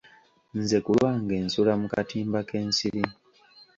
Nze ku lwange nsula mu katimba k'ensiri.